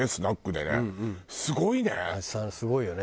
すごいよね。